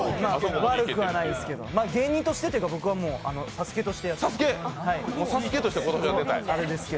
悪くはないですけど芸人としてというか、僕は「ＳＡＳＵＫＥ」としてやっています。